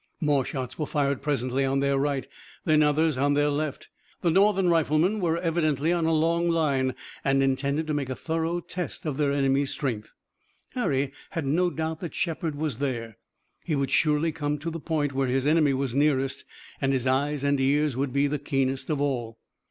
More shots were fired presently on their right, and then others on their left. The Northern riflemen were evidently on a long line, and intended to make a thorough test of their enemy's strength. Harry had no doubt that Shepard was there. He would surely come to the point where his enemy was nearest, and his eyes and ears would be the keenest of all.